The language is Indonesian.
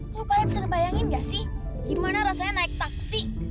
lo pada bisa ngebayangin gak sih gimana rasanya naik taksi